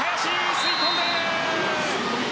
吸い込んでいる！